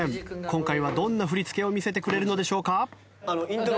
今回はどんな振り付けを見せてくれるのでしょうか？